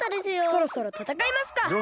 そろそろたたかいますか。